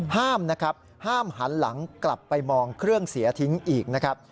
ห้ามนะครับห้ามหันหลังกลับไปมองเครื่องเสียทิ้งอีกนะครับ